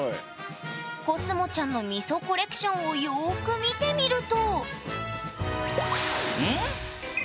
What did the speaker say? こすもちゃんのみそコレクションをよく見てみるとん？